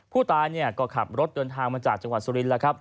ผู้ตายก็ขับรถเดินทางมาจากจังหวัดสุรินทร์แล้วครับ